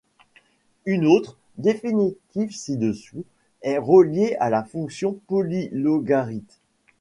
Une autre, définie ci-dessous, est reliée à la fonction polylogarithme.